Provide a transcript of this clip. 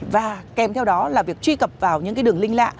và kèm theo đó là việc truy cập vào những cái đường link lạ